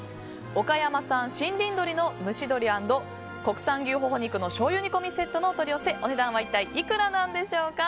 岡山産森林鶏の蒸し鶏＆国産牛ほほ肉の醤油煮込みセットお取り寄せ、お値段は一体いくらなんでしょうか。